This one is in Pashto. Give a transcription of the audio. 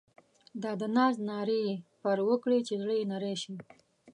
دا د ناز نارې یې پر وکړې چې زړه یې نری شي.